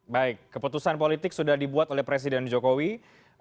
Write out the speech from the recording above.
baik keputusan politik sudah dibuat oleh pak amiko tadi tadi ya untuk anda kan pak amiko terima kasih